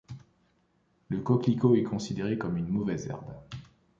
Le coquelicot est considéré comme une mauvaise herbe.